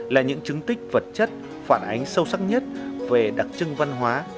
là những chứng tích vật chất phản ánh sâu sắc nhất về đặc trưng văn hóa